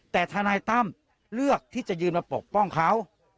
แต่ทนายตั้มเลือกที่จะยืนมาปกป้องเขา